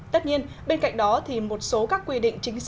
tất nhiên bên cạnh đó thì một số các quy định chính sách